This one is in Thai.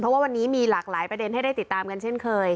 เพราะว่าวันนี้มีหลากหลายประเด็นให้ได้ติดตามกันเช่นเคย